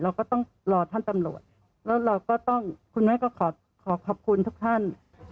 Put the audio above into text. เราก็ต้องรอท่านตำรวจแล้วเราก็ต้องคุณแม่ก็ขอขอบคุณทุกท่าน